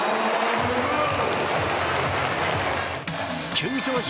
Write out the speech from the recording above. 急上昇！